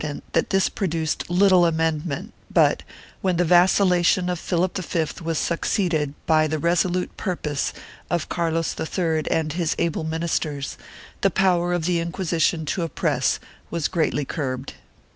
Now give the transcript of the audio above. V] COMPLAINTS OF FEUDALISM 537 that this produced little amendment but, when the vacillation of Philip V was succeeded by the resolute purpose of Cailos III and his able ministers, the power of the Inquisition to oppress was greatly curbed.